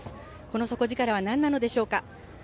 この底力は何なのでしょうか。